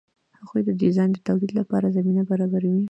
هغوی د ډیزاین د تولید لپاره زمینه برابروي.